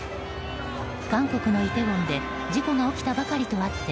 韓国のイテウォンで事故が起きたばかりとあって